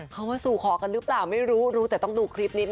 เขามาสู่ขอกันหรือเปล่าไม่รู้รู้แต่ต้องดูคลิปนี้นะ